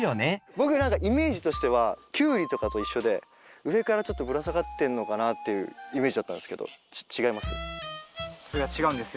僕何かイメージとしてはキュウリとかと一緒で上からちょっとぶら下がってんのかなっていうイメージだったんですけど違います？